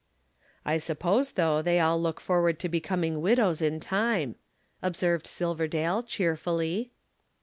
"I suppose, though, they all look forward to becoming widows in time," observed Silverdale cheerfully.